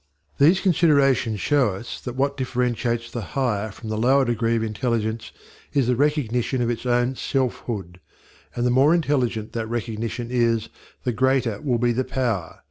These considerations show us that what differentiates the higher from the lower degree of intelligence is the recognition of its own self hood, and the more intelligent that recognition is, the greater will be the power.